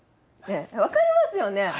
ねえ分かりますよね？